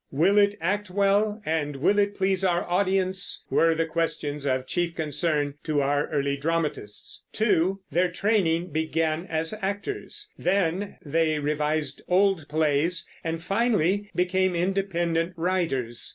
"Will it act well, and will it please our audience," were the questions of chief concern to our early dramatists. (2) Their training began as actors; then they revised old plays, and finally became independent writers.